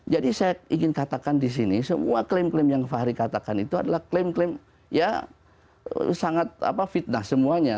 jadi saya ingin katakan di sini semua klaim klaim yang fahri katakan itu adalah klaim klaim ya sangat fitnah semuanya